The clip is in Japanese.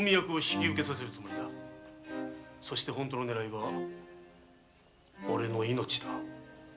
そして本当の狙いはオレの命だ。